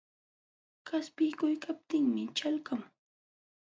Qaspiykuykaptinmi ćhalqamun.